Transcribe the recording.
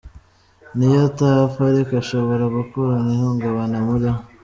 N’iyo atapfa ariko ashobora gukurana ihungabana muri we.